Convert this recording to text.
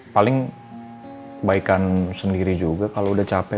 paling baikan sendiri juga kalau udah capek